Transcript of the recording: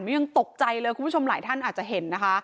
ยังตกใจเลยคุณผู้ชมหลายท่านอาจจะเห็นนะคะ